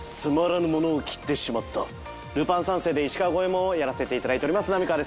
『ルパン三世』で石川五ェ門をやらせていただいております浪川です。